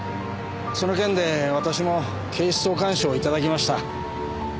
その件で私も警視総監賞をいただきました。